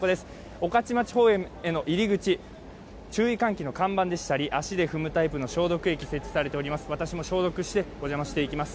御徒町公園への入り口、注意喚起の看板でしたり、足で踏むタイプの消毒液、設置されています。